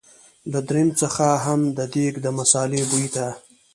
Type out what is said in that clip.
له دريم څخه هم د دېګ د مثالې بوی ته.